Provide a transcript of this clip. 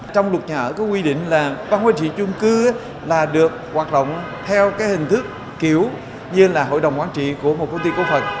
trong lục nhà ở có quy định là ban quản trị trung cư là được hoạt động theo cái hình thức kiểu như là hội đồng quản trị của một công ty công phận